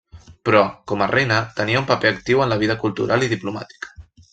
Però, com a reina, tenia un paper actiu en la vida cultural i diplomàtica.